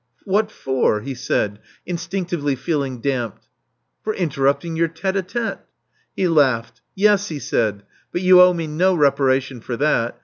"What for?" he said, instinctively feeling damped. "For interrupting your tite h tite. He laughed. Yes," he said. "But you owe me no reparation for that.